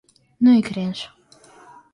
Ну и кринж!